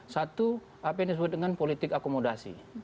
satu apa yang disebut dengan politik akomodasi